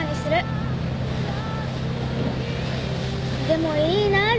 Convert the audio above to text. でもいいなあ。